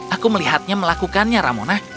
aku melihatnya melakukannya ramona